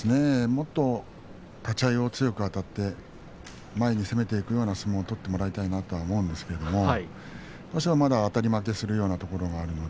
もっと立ち合い強くあたって前に攻めていくような相撲を取ってもらいたいなと思うんですがまだ、あたり負けするようなところがあります。